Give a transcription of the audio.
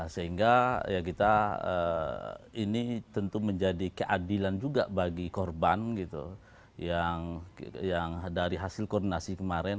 sehingga ini tentu menjadi keadilan juga bagi korban yang dari hasil koordinasi kemarin